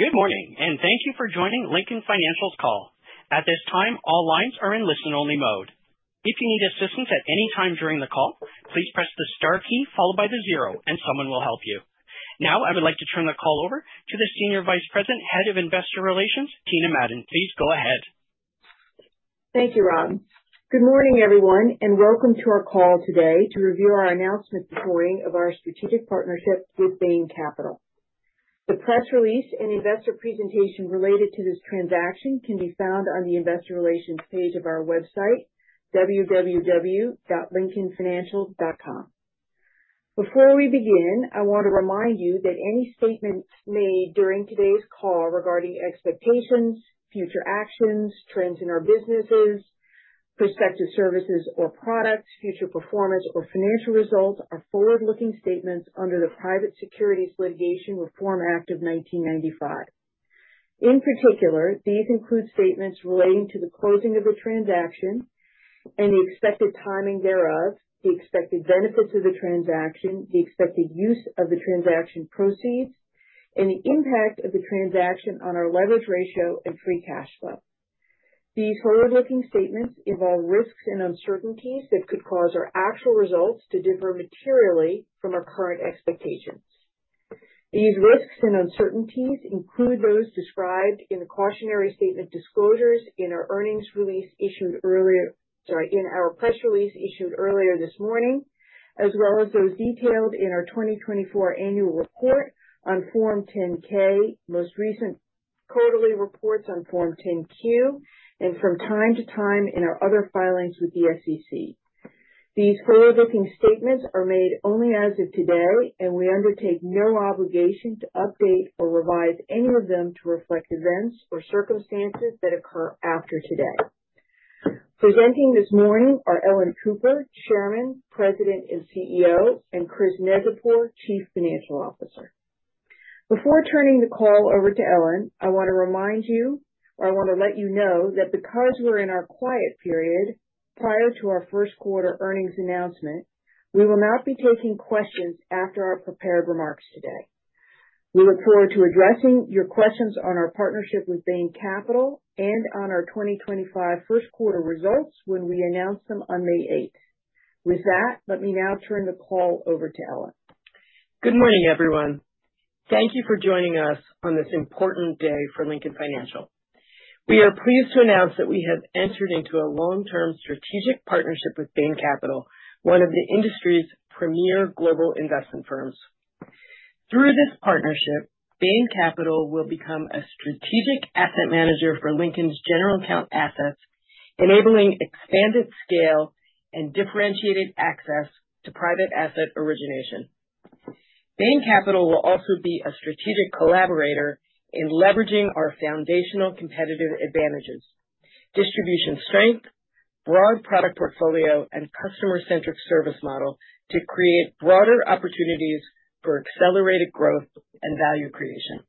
Good morning, and thank you for joining Lincoln Financial's call. At this time, all lines are in listen-only mode. If you need assistance at any time during the call, please press the star key followed by the zero, and someone will help you. Now, I would like to turn the call over to the Senior Vice President, Head of Investor Relations, Tina Madon. Please go ahead. Thank you, Rob. Good morning, everyone, and welcome to our call today to review our announcement reporting of our strategic partnership with Bain Capital. The press release and investor presentation related to this transaction can be found on the investor relations page of our website, www.lincolnfinancial.com. Before we begin, I want to remind you that any statements made during today's call regarding expectations, future actions, trends in our businesses, prospective services or products, future performance, or financial results are forward-looking statements under the Private Securities Litigation Reform Act of 1995. In particular, these include statements relating to the closing of the transaction and the expected timing thereof, the expected benefits of the transaction, the expected use of the transaction proceeds, and the impact of the transaction on our leverage ratio and free cash flow. These forward-looking statements involve risks and uncertainties that could cause our actual results to differ materially from our current expectations. These risks and uncertainties include those described in the cautionary statement disclosures in our earnings release issued earlier, sorry, in our press release issued earlier this morning, as well as those detailed in our 2024 annual report on Form 10-K, most recent quarterly reports on Form 10-Q, and from time to time in our other filings with the SEC. These forward-looking statements are made only as of today, and we undertake no obligation to update or revise any of them to reflect events or circumstances that occur after today. Presenting this morning are Ellen Cooper, Chairman, President, and CEO, and Chris Neczypor, Chief Financial Officer. Before turning the call over to Ellen, I want to remind you, or I want to let you know, that because we're in our quiet period prior to our first quarter earnings announcement, we will not be taking questions after our prepared remarks today. We look forward to addressing your questions on our partnership with Bain Capital and on our 2025 first quarter results when we announce them on May 8th. With that, let me now turn the call over to Ellen. Good morning, everyone. Thank you for joining us on this important day for Lincoln Financial. We are pleased to announce that we have entered into a long-term strategic partnership with Bain Capital, one of the industry's premier global investment firms. Through this partnership, Bain Capital will become a strategic asset manager for Lincoln's general account assets, enabling expanded scale and differentiated access to private asset origination. Bain Capital will also be a strategic collaborator in leveraging our foundational competitive advantages, distribution strength, broad product portfolio, and customer-centric service model to create broader opportunities for accelerated growth and value creation.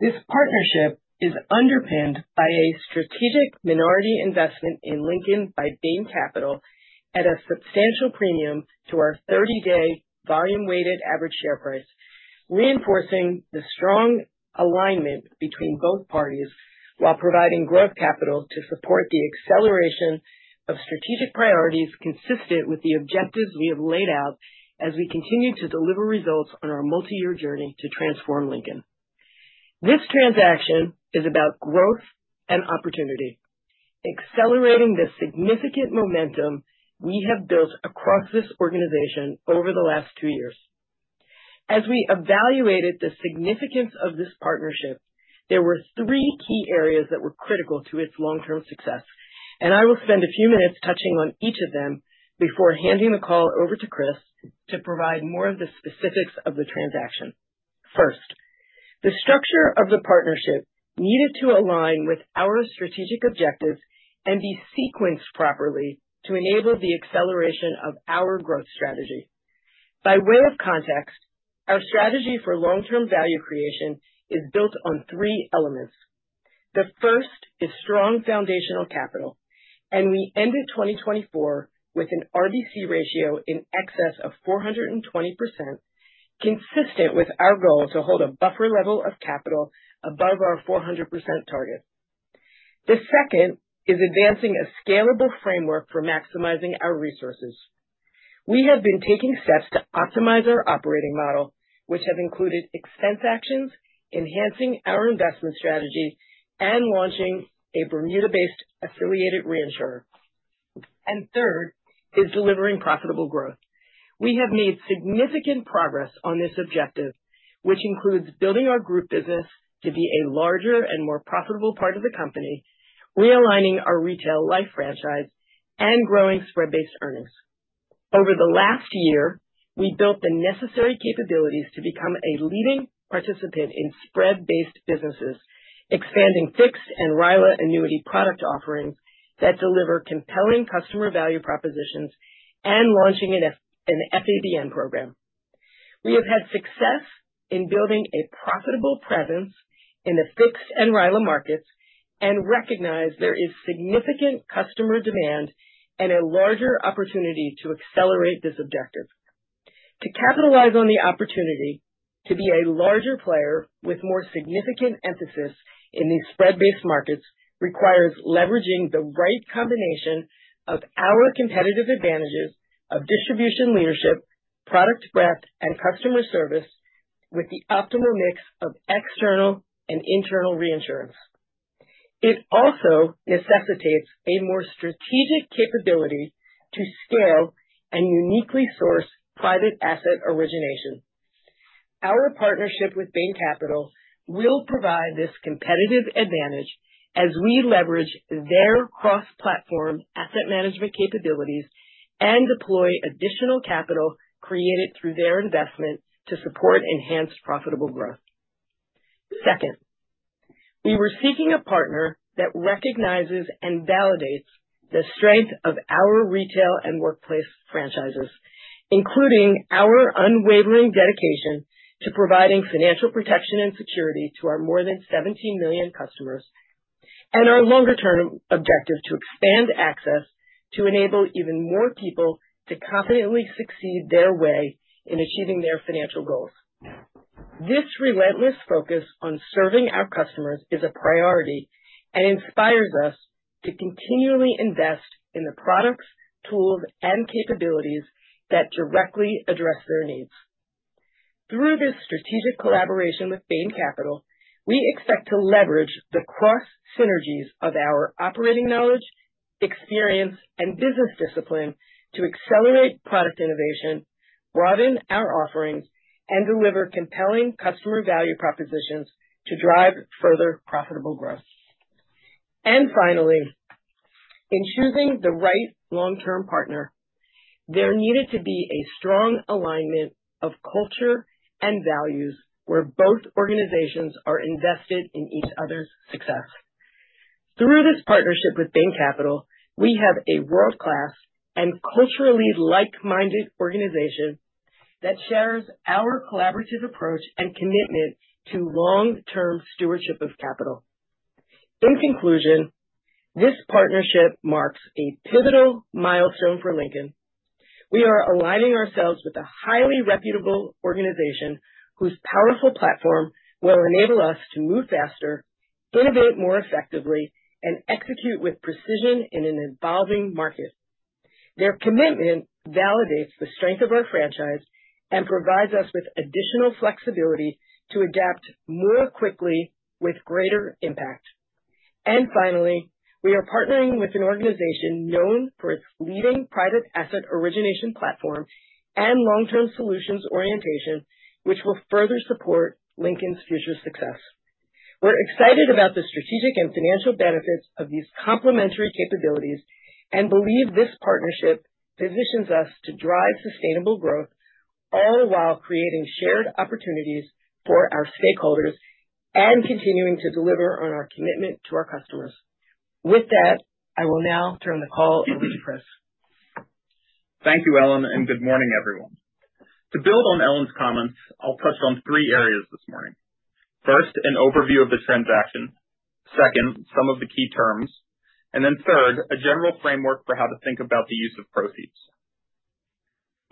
This partnership is underpinned by a strategic minority investment in Lincoln by Bain Capital at a substantial premium to our 30-day volume-weighted average share price, reinforcing the strong alignment between both parties while providing growth capital to support the acceleration of strategic priorities consistent with the objectives we have laid out as we continue to deliver results on our multi-year journey to transform Lincoln. This transaction is about growth and opportunity, accelerating the significant momentum we have built across this organization over the last two years. As we evaluated the significance of this partnership, there were three key areas that were critical to its long-term success, and I will spend a few minutes touching on each of them before handing the call over to Chris to provide more of the specifics of the transaction. First, the structure of the partnership needed to align with our strategic objectives and be sequenced properly to enable the acceleration of our growth strategy. By way of context, our strategy for long-term value creation is built on three elements. The first is strong foundational capital, and we ended 2024 with an RBC ratio in excess of 420%, consistent with our goal to hold a buffer level of capital above our 400% target. The second is advancing a scalable framework for maximizing our resources. We have been taking steps to optimize our operating model, which have included expense actions, enhancing our investment strategy, and launching a Bermuda-based affiliated reinsurer. The third is delivering profitable growth. We have made significant progress on this objective, which includes building our group business to be a larger and more profitable part of the company, realigning our retail life franchise, and growing spread-based earnings. Over the last year, we built the necessary capabilities to become a leading participant in spread-based businesses, expanding fixed and RILA annuity product offerings that deliver compelling customer value propositions, and launching an FABN program. We have had success in building a profitable presence in the fixed and RILA markets and recognize there is significant customer demand and a larger opportunity to accelerate this objective. To capitalize on the opportunity to be a larger player with more significant emphasis in these spread-based markets requires leveraging the right combination of our competitive advantages of distribution leadership, product breadth, and customer service with the optimal mix of external and internal reinsurance. It also necessitates a more strategic capability to scale and uniquely source private asset origination. Our partnership with Bain Capital will provide this competitive advantage as we leverage their cross-platform asset management capabilities and deploy additional capital created through their investment to support enhanced profitable growth. Second, we were seeking a partner that recognizes and validates the strength of our retail and workplace franchises, including our unwavering dedication to providing financial protection and security to our more than 17 million customers and our longer-term objective to expand access to enable even more people to confidently succeed their way in achieving their financial goals. This relentless focus on serving our customers is a priority and inspires us to continually invest in the products, tools, and capabilities that directly address their needs. Through this strategic collaboration with Bain Capital, we expect to leverage the cross-synergies of our operating knowledge, experience, and business discipline to accelerate product innovation, broaden our offerings, and deliver compelling customer value propositions to drive further profitable growth. Finally, in choosing the right long-term partner, there needed to be a strong alignment of culture and values where both organizations are invested in each other's success. Through this partnership with Bain Capital, we have a world-class and culturally like-minded organization that shares our collaborative approach and commitment to long-term stewardship of capital. In conclusion, this partnership marks a pivotal milestone for Lincoln. We are aligning ourselves with a highly reputable organization whose powerful platform will enable us to move faster, innovate more effectively, and execute with precision in an evolving market. Their commitment validates the strength of our franchise and provides us with additional flexibility to adapt more quickly with greater impact. Finally, we are partnering with an organization known for its leading private asset origination platform and long-term solutions orientation, which will further support Lincoln's future success. We are excited about the strategic and financial benefits of these complementary capabilities and believe this partnership positions us to drive sustainable growth, all while creating shared opportunities for our stakeholders and continuing to deliver on our commitment to our customers. With that, I will now turn the call over to Chris. Thank you, Ellen, and good morning, everyone. To build on Ellen's comments, I'll touch on three areas this morning. First, an overview of the transaction. Second, some of the key terms. Third, a general framework for how to think about the use of proceeds.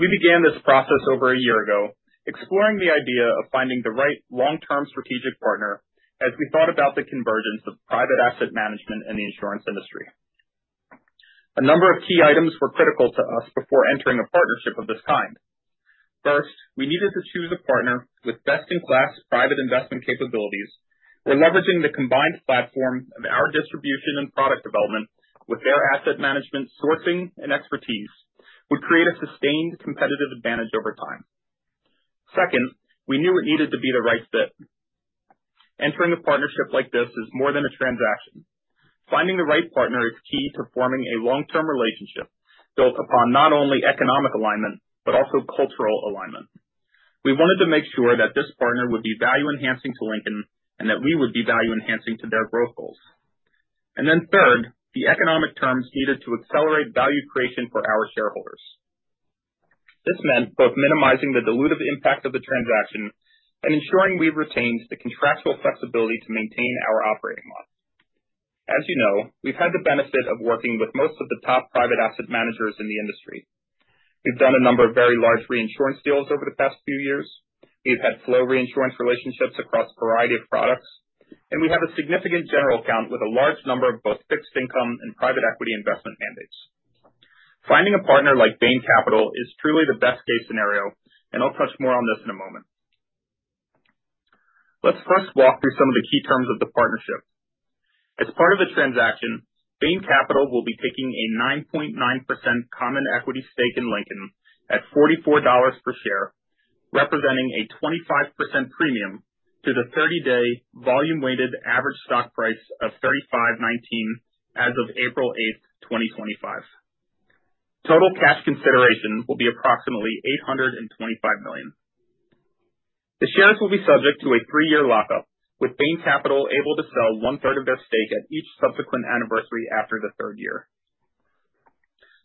We began this process over a year ago, exploring the idea of finding the right long-term strategic partner as we thought about the convergence of private asset management and the insurance industry. A number of key items were critical to us before entering a partnership of this kind. First, we needed to choose a partner with best-in-class private investment capabilities. We are leveraging the combined platform of our distribution and product development with their asset management sourcing and expertise would create a sustained competitive advantage over time. Second, we knew it needed to be the right fit. Entering a partnership like this is more than a transaction. Finding the right partner is key to forming a long-term relationship built upon not only economic alignment, but also cultural alignment. We wanted to make sure that this partner would be value-enhancing to Lincoln and that we would be value-enhancing to their growth goals. The economic terms needed to accelerate value creation for our shareholders. This meant both minimizing the dilutive impact of the transaction and ensuring we retained the contractual flexibility to maintain our operating model. As you know, we've had the benefit of working with most of the top private asset managers in the industry. We've done a number of very large reinsurance deals over the past few years. We've had flow reinsurance relationships across a variety of products, and we have a significant general account with a large number of both fixed income and private equity investment mandates. Finding a partner like Bain Capital is truly the best-case scenario, and I'll touch more on this in a moment. Let's first walk through some of the key terms of the partnership. As part of the transaction, Bain Capital will be taking a 9.9% common equity stake in Lincoln at $44 per share, representing a 25% premium to the 30-day volume-weighted average stock price of $35.19 as of April 8th, 2025. Total cash consideration will be approximately $825 million. The shares will be subject to a three-year lockup, with Bain Capital able to sell one-third of their stake at each subsequent anniversary after the third year.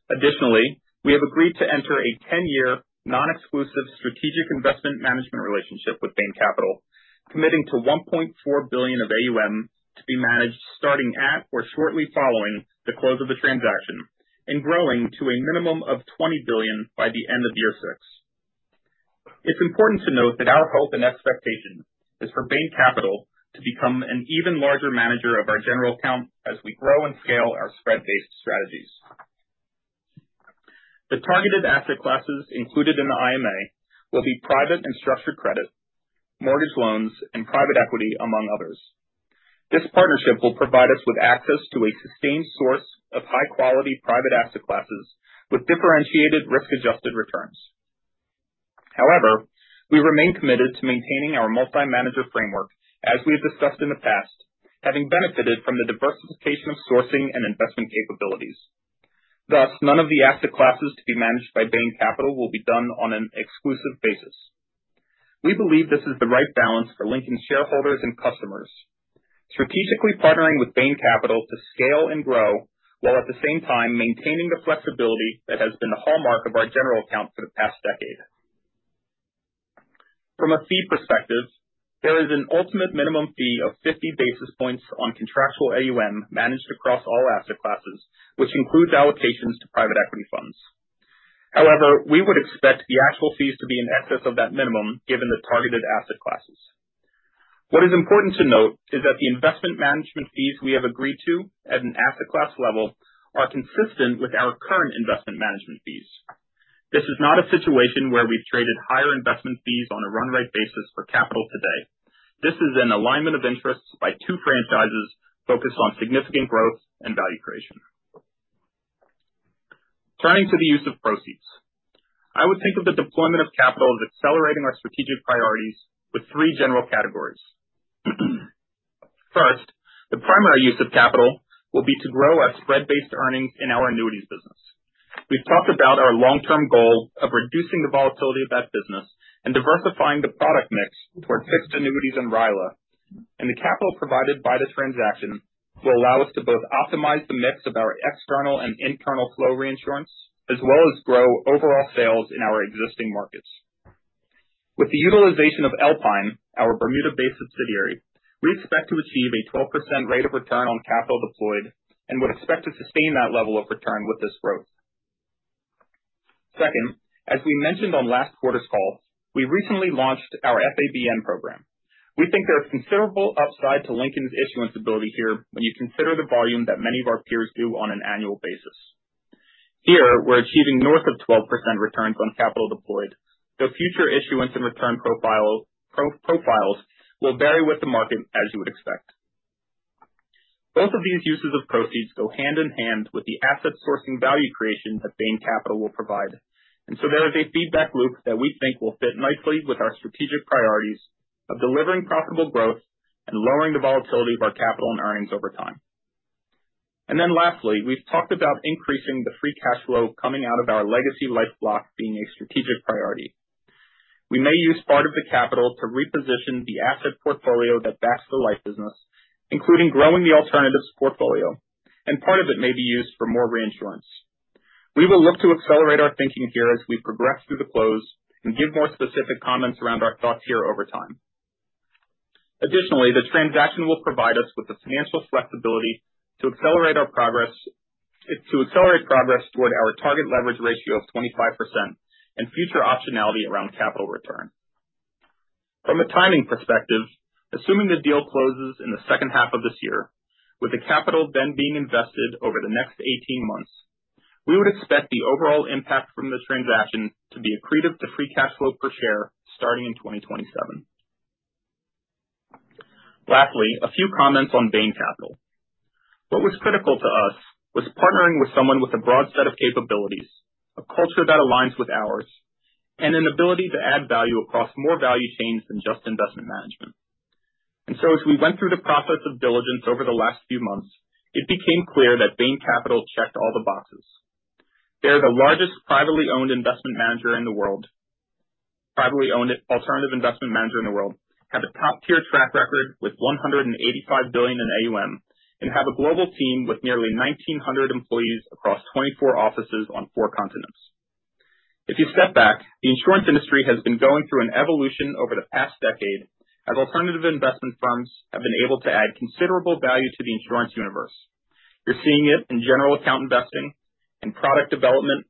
Additionally, we have agreed to enter a 10-year non-exclusive strategic investment management relationship with Bain Capital, committing to $1.4 billion of AUM to be managed starting at or shortly following the close of the transaction and growing to a minimum of $20 billion by the end of year six. It's important to note that our hope and expectation is for Bain Capital to become an even larger manager of our general account as we grow and scale our spread-based strategies. The targeted asset classes included in the IMA will be private and structured credit, mortgage loans, and private equity, among others. This partnership will provide us with access to a sustained source of high-quality private asset classes with differentiated risk-adjusted returns. However, we remain committed to maintaining our multi-manager framework, as we have discussed in the past, having benefited from the diversification of sourcing and investment capabilities. Thus, none of the asset classes to be managed by Bain Capital will be done on an exclusive basis. We believe this is the right balance for Lincoln's shareholders and customers, strategically partnering with Bain Capital to scale and grow while at the same time maintaining the flexibility that has been the hallmark of our general account for the past decade. From a fee perspective, there is an ultimate minimum fee of 50 basis points on contractual AUM managed across all asset classes, which includes allocations to private equity funds. However, we would expect the actual fees to be in excess of that minimum given the targeted asset classes. What is important to note is that the investment management fees we have agreed to at an asset class level are consistent with our current investment management fees. This is not a situation where we've traded higher investment fees on a run-rate basis for capital today. This is an alignment of interests by two franchises focused on significant growth and value creation. Turning to the use of proceeds, I would think of the deployment of capital as accelerating our strategic priorities with three general categories. First, the primary use of capital will be to grow our spread-based earnings in our annuities business. We've talked about our long-term goal of reducing the volatility of that business and diversifying the product mix toward fixed annuities and RILA, and the capital provided by the transaction will allow us to both optimize the mix of our external and internal flow reinsurance as well as grow overall sales in our existing markets. With the utilization of Alpine, our Bermuda-based subsidiary, we expect to achieve a 12% rate of return on capital deployed and would expect to sustain that level of return with this growth. Second, as we mentioned on last quarter's call, we recently launched our FABN program. We think there is considerable upside to Lincoln's issuance ability here when you consider the volume that many of our peers do on an annual basis. Here, we're achieving north of 12% returns on capital deployed, though future issuance and return profiles will vary with the market, as you would expect. Both of these uses of proceeds go hand in hand with the asset sourcing value creation that Bain Capital will provide, and so there is a feedback loop that we think will fit nicely with our strategic priorities of delivering profitable growth and lowering the volatility of our capital and earnings over time. Lastly, we've talked about increasing the free cash flow coming out of our legacy life block being a strategic priority. We may use part of the capital to reposition the asset portfolio that backs the life business, including growing the alternatives portfolio, and part of it may be used for more reinsurance. We will look to accelerate our thinking here as we progress through the close and give more specific comments around our thoughts here over time. Additionally, the transaction will provide us with the financial flexibility to accelerate our progress toward our target leverage ratio of 25% and future optionality around capital return. From a timing perspective, assuming the deal closes in the second half of this year, with the capital then being invested over the next 18 months, we would expect the overall impact from the transaction to be accretive to free cash flow per share starting in 2027. Lastly, a few comments on Bain Capital. What was critical to us was partnering with someone with a broad set of capabilities, a culture that aligns with ours, and an ability to add value across more value chains than just investment management. As we went through the process of diligence over the last few months, it became clear that Bain Capital checked all the boxes. They are the largest privately owned alternative investment manager in the world, have a top-tier track record with $185 billion in AMU, and have a global team with nearly 1,900 employees across 24 offices on four continents. If you step back, the insurance industry has been going through an evolution over the past decade as alternative investment firms have been able to add considerable value to the insurance universe. You're seeing it in general account investing, in product development,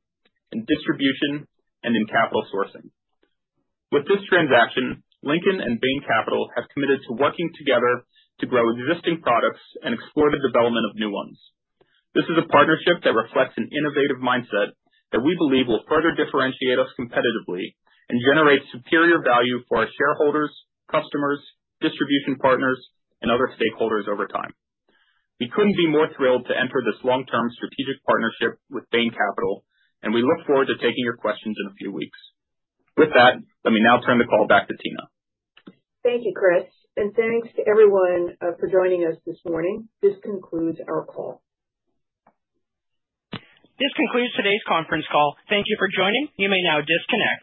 in distribution, and in capital sourcing. With this transaction, Lincoln and Bain Capital have committed to working together to grow existing products and explore the development of new ones. This is a partnership that reflects an innovative mindset that we believe will further differentiate us competitively and generate superior value for our shareholders, customers, distribution partners, and other stakeholders over time. We couldn't be more thrilled to enter this long-term strategic partnership with Bain Capital, and we look forward to taking your questions in a few weeks. With that, let me now turn the call back to Tina. Thank you, Chris, and thanks to everyone for joining us this morning. This concludes our call. This concludes today's conference call. Thank you for joining. You may now disconnect.